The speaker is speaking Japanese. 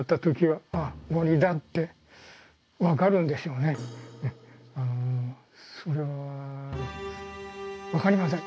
うんそれは分かりません。